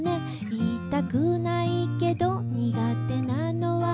「言いたくないけど」「苦手なのはこれ」